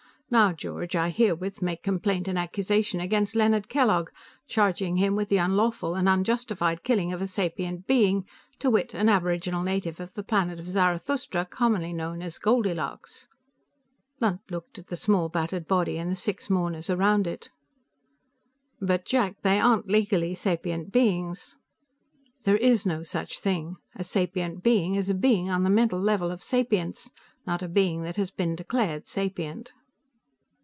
"Now, George, I herewith make complaint and accusation against Leonard Kellogg, charging him with the unlawful and unjustified killing of a sapient being, to wit, an aboriginal native of the planet of Zarathustra commonly known as Goldilocks." Lunt looked at the small battered body and the six mourners around it. "But, Jack, they aren't legally sapient beings." "There is no such thing. A sapient being is a being on the mental level of sapience, not a being that has been declared sapient."